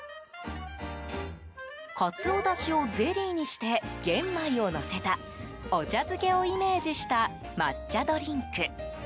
カツオだしをゼリーにして玄米をのせたお茶漬けをイメージした抹茶ドリンク。